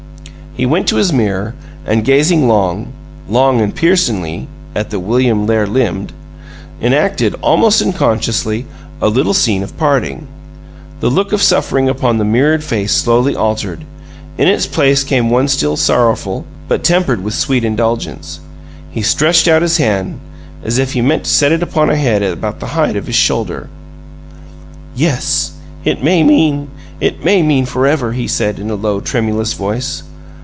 He went to his mirror, and, gazing long long and piercingly at the William there limned, enacted, almost unconsciously, a little scene of parting. The look of suffering upon the mirrored face slowly altered; in its place came one still sorrowful, but tempered with sweet indulgence. He stretched out his hand, as if he set it upon a head at about the height of his shoulder. "Yes, it may mean it may mean forever!" he said in a low, tremulous voice.